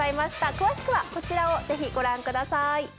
詳しくはこちらをぜひご覧ください。